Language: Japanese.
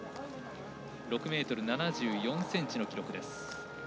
６ｍ７４ｃｍの記録です。